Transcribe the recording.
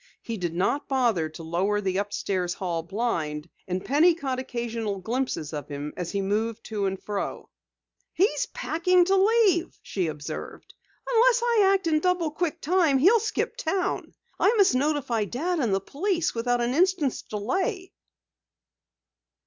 He did not bother to lower the upstairs hall blind, and Penny caught occasional glimpses of him as he moved to and fro. "He's packing to leave!" she observed. "Unless I act in double quick time, he'll skip town! I must notify Dad and the police without an instant's delay!"